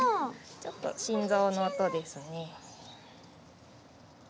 ちょっと心臓の音ですね。